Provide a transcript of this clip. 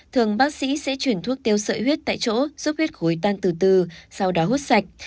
thường bác sĩ sẽ chuyển thuốc tiêu sợi huyết tại chỗ giúp huyết khối tan từ từ sau đó hút sạch